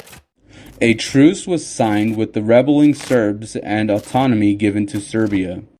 A truce was signed with the rebelling Serbs and autonomy given to Serbia.